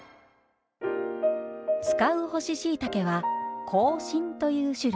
使う干ししいたけは香信という種類。